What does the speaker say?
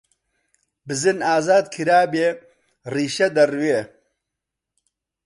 بزن ئازاد کرابێ، ڕیشە دەڕوێ!